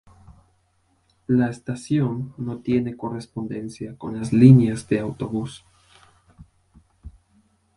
La estación no tiene correspondencia con las líneas de autobús.